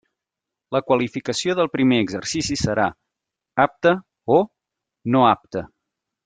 La qualificació del primer exercici serà «apta» o «no apta».